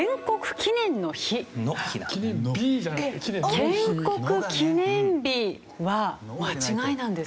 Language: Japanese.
「建国記念日」は間違いなんです。